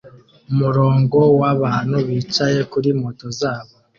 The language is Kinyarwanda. Umurongo wabantu bicaye kuri moto zabo